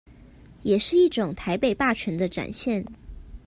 也是一種台北霸權的展現